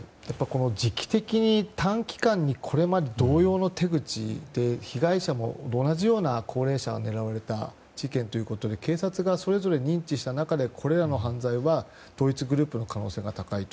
時期的に短期間に、これまで同様の手口で被害者も同じような高齢者が狙われた事件で警察がそれぞれ認知したこれらの犯罪は同一グループの可能性が高いと。